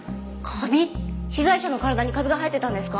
被害者の体にカビが生えてたんですか？